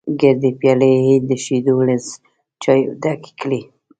ګردې پيالې یې د شیدو له چایو ډکې کړې.